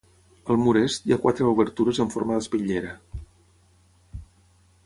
Al mur est hi ha quatre obertures en forma d'espitllera.